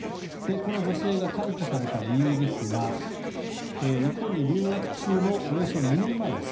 この女性が逮捕された理由ですが日本に留学中のおよそ２年前です